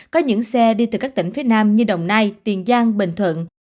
có những xe đi từ các tỉnh phía nam như đồng nai tiền giang bình thuận